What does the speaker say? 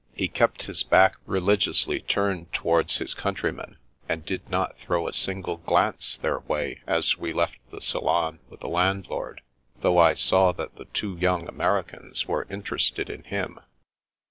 He kept his back religiously turned towards his country men, and did not throw a single glance their way as we left the salon with the landlord, though I saw that the two young Americans were interested in him.